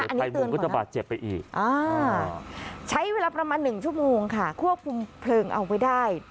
อันนี้เตือนก่อนนะอ่าใช้เวลาประมาณ๑ชั่วโมงค่ะควบคุมเพลิงเอาไว้ได้